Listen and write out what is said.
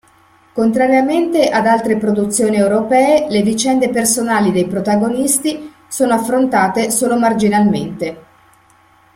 Contrariamente ad altre produzioni europee le vicende personali dei protagonisti sono affrontate solo marginalmente.